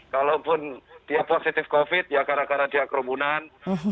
kalaupun dia positif covid ya gara gara dia kerumunan